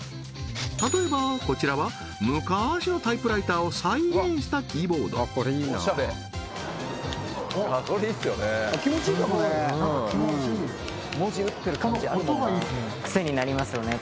例えばこちらは昔のタイプライターを再現したキーボード癖になりますよね